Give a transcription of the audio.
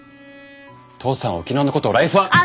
父さんは沖縄のことをライフワーク。